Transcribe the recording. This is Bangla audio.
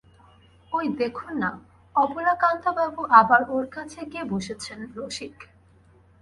ঐ দেখুন-না, অবলাকান্তবাবু আবার ওঁর কাছে গিয়ে বসেছেন– রসিক।